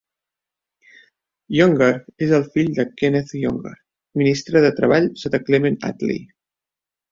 Younger és el fill de Kenneth Younger, ministre de Treball sota Clement Attlee.